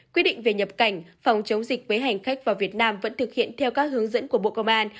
quy định về nhập cảnh phòng chống dịch với hành khách vào việt nam vẫn thực hiện theo các hướng dẫn của bộ công an